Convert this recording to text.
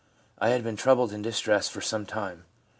* I had been troubled and distressed for some time.